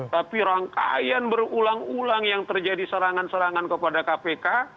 tapi rangkaian berulang ulang yang terjadi serangan serangan kepada kpk